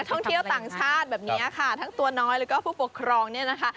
ท่องเที่ยวต่างชาติแบบนี้ค่ะทั้งตัวน้อยแล้วก็ผู้ปกครองเนี่ยนะคะ